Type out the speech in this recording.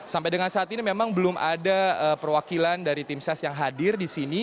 sampai dengan saat ini memang belum ada perwakilan dari tim ses yang hadir di sini